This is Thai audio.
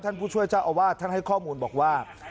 ผู้ช่วยเจ้าอาวาสท่านให้ข้อมูลบอกว่า